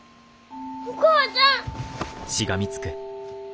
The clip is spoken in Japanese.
お母ちゃん！